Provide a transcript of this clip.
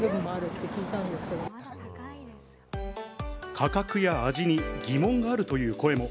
価格や味に疑問があるという声も。